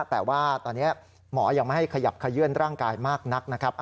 แต่ว่าตอนนี้หมอยังไม่ให้ขยับขยื่นร่างกายมากนักนะครับ